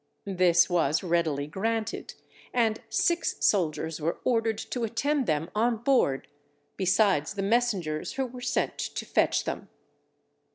This was readily granted, and six soldiers were ordered to attend them on board, besides the messengers who were sent to fetch them.